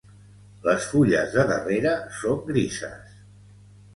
Les fulles de darrere són grises.